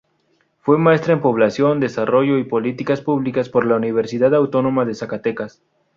Fue maestra en Población, Desarrollo y Políticas Públicas por la Universidad Autónoma de Zacatecas.